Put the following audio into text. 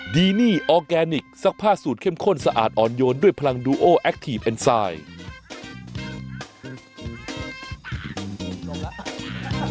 ดีนี่ออร์แกนิคซักผ้าสูตรเข้มข้นสะอาดอ่อนโยนด้วยพลังดูโอแอคทีฟเอ็นไซด์